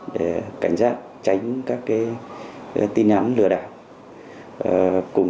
để cảnh giác tránh các tin nhắn lừa đảo